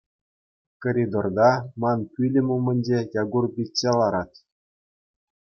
Коридорта, ман пӳлӗм умӗнче, Якур пичче ларать.